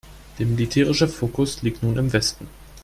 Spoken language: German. Der militärische Fokus liegt nun im Westen.